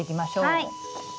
はい。